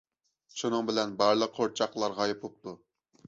شۇنىڭ بىلەن، بارلىق قورچاقلار غايىب بوپتۇ.